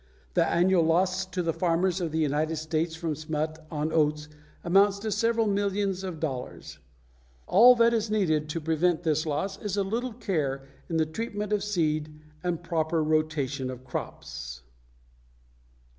The annual loss to the farmers of the United States from smut on oats amounts to several millions of dollars. All that is needed to prevent this loss is a little care in the treatment of seed and a proper rotation of crops.